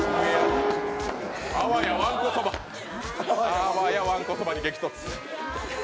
あわや、わんこそばに激突。